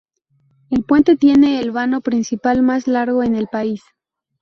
El puente tiene el vano principal más largo en el país.